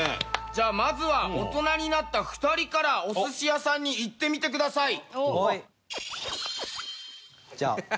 じゃあまずは大人になった２人からお寿司屋さんに行ってみてください。